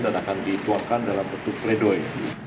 dan akan dituangkan dalam bentuk redoi